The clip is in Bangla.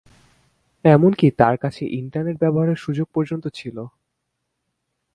এমনকি তার কাছে ইন্টারনেট ব্যবহারের সুযোগ পর্যন্ত ছিলো।